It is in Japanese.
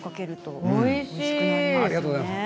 ありがとうございます。